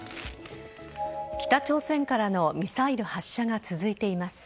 北朝鮮からのミサイル発射が続いています。